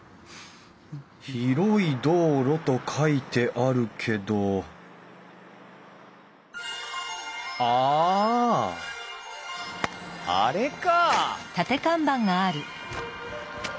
広い道路と書いてあるけどあああれか！